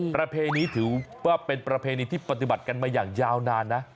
ประเพณีถือว่าเป็นประเพณีที่ปฏิบัติกันมาอย่างยาวนานนะ